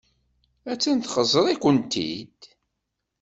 Attan txeẓẓer-ikent-id.